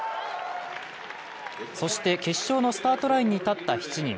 そして、決勝のスタートラインに立った７人。